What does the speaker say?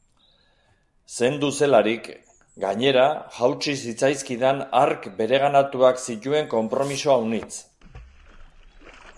Zendu zelarik, gainera jautsi zitzaizkidan hark bereganatuak zituen konpromiso aunitz.